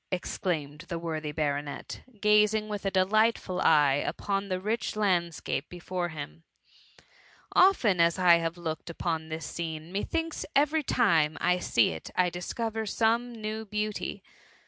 '' ^xclaia>ed the worthy baronet, gazing with a delightful eye upon the rich landscape before him ;^ often as I have looki^ upon this scene, methinks every time I see it I discover some new beauty.